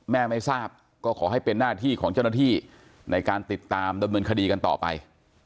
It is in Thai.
ไม่ทราบก็ขอให้เป็นหน้าที่ของเจ้าหน้าที่ในการติดตามดำเนินคดีกันต่อไป